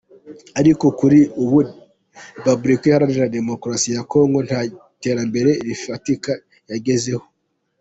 Ariko kuri ubu Repubulika iharanira Demokarasi ya Congo, nta terambere rifatika yagezeho.